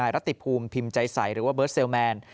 รัติภูมิพิมพ์ใจใสหรือว่าเบิร์ตเซลแมน